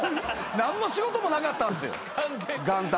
何も仕事もなかったんすよ元旦。